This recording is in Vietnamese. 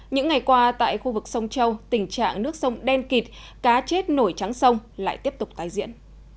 những ngày qua tại khu vực sông châu tình trạng nước sông đen kịt cá chết nổi trắng sông lại tiếp tục tái diễn